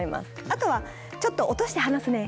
あとはちょっと落として話すねとか。